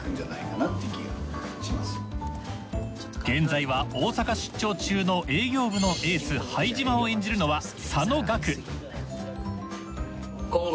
現在は大阪出張中の営業部のエース拝島を演じるのは。